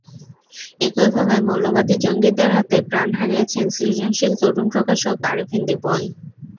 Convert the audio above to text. একইভাবে মৌলবাদী জঙ্গিদের হাতে প্রাণ হারিয়েছেন সৃজনশীল তরুণ প্রকাশক আরেফিন দীপন।